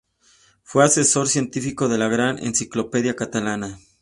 Fue asesor científico de la "Gran Enciclopedia Catalana.